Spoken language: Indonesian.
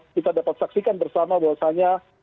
kita dapat saksikan bersama bahwasannya